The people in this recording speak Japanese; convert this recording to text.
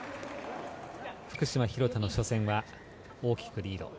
福島、廣田の初戦は大きくリード。